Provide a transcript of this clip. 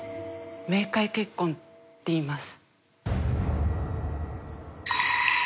冥界結婚っていいます。